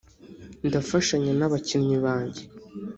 ndafashanya n’abakinnyi banjye